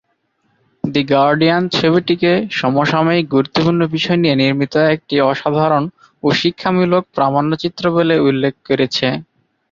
The Guardian ছবিটিকে সমসাময়িক গুরুত্বপূর্ণ বিষয় নিয়ে নির্মিত একটি অসাধারণ ও শিক্ষামূলক প্রামাণ্যচিত্র বলে উল্লেখ করেছে।